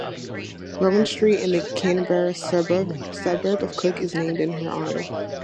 Rowan Street in the Canberra suburb of Cook is named in her honour.